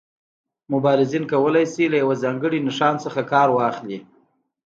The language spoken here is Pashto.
مبارزین کولای شي له یو ځانګړي نښان څخه کار واخلي.